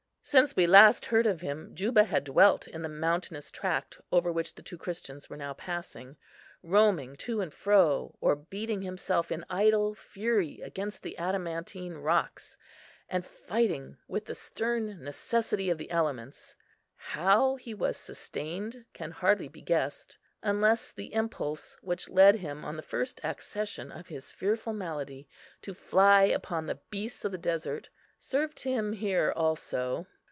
Since we last heard of him, Juba had dwelt in the mountainous tract over which the two Christians were now passing; roaming to and fro, or beating himself in idle fury against the adamantine rocks, and fighting with the stern necessity of the elements. How he was sustained can hardly be guessed, unless the impulse, which led him on the first accession of his fearful malady, to fly upon the beasts of the desert, served him here also.